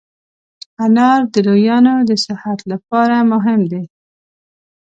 انار د لویانو د صحت لپاره مهم دی.